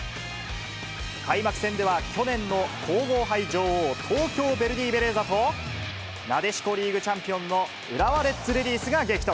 開幕戦では、去年の皇后杯女王、東京ヴェルディベレーザとなでしこリーグチャンピオンの浦和レッズレディースが激突。